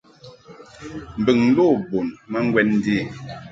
Mbɨŋ lo bun ma ŋgwɛn ndi.